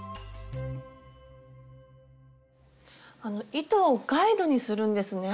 あの糸をガイドにするんですね。